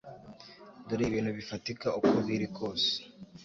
Dore ibintu bifatika uko biri kose